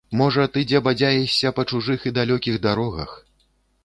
Можа, ты дзе бадзяешся па чужых і далёкіх дарогах!